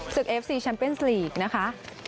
ศึกเอฟซีแชมปินส์ลีกนะคะ